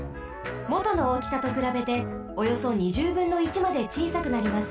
もとのおおきさとくらべておよそ２０ぶんの１までちいさくなります。